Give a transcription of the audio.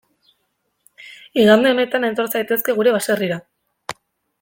Igande honetan etor zaitezke gure baserrira.